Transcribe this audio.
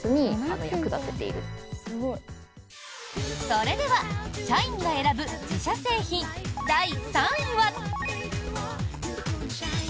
それでは、社員が選ぶ自社製品第３位は。